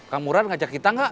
kang mural ngajak kita nggak